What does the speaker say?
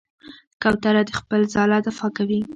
کوتره د خپل ځاله دفاع کوي.